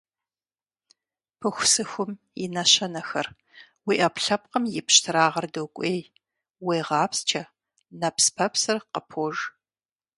Пыхусыхум и нэщэнэхэр: уи Ӏэпкълъэпкъым и пщтырагъыр докӀуей, уегъапсчэ, нэпс-пэпсыр къыпож.